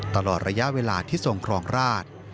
ตลอดระยะเวลาที่ทรงครองราช